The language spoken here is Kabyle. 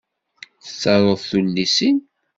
Tettaruḍ tullisin?